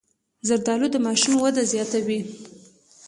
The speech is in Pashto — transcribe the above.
زردالو د ماشوم وده زیاتوي.